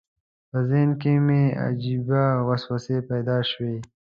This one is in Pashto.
په ذهن کې مې عجیبې وسوسې پیدا شوې.